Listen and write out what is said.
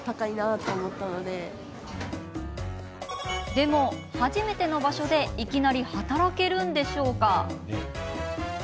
でも、初めての場所でいきなり働けるんでしょうか？